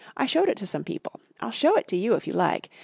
I showed it to some people. I'll show it to you if you like.